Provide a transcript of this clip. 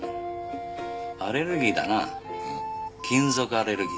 アレルギーだな金属アレルギー。